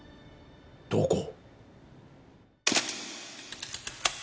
どこ？